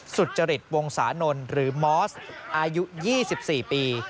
สุจริตวงศานนท์หรือมอสอายุ๒๔ปี